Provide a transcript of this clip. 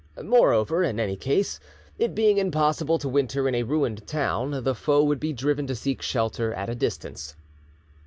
Moreover, in any case, it being impossible to winter in a ruined town, the foe would be driven to seek shelter at a distance.